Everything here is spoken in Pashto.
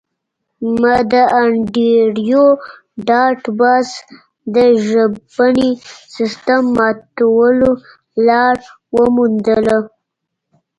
ما د انډریو ډاټ باس د ژبني سیستم ماتولو لار وموندله